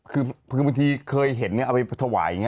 คือบางทีเคยเห็นเอาไปถวายอย่างนี้